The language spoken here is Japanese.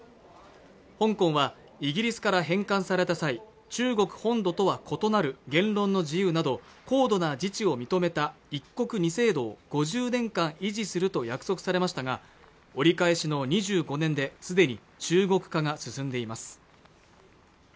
香港はイギリスから返還された際中国本土とは異なる言論の自由など高度な自治を認めた一国ニ制度を５０年間維持すると約束されましたが折り返しの２５年ですでに中国化が進んでいます